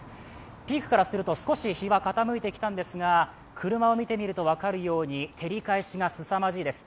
ピークからすると、少し日は傾いてきたのですが、車を見てみると分かるように照り返しがすさまじいです。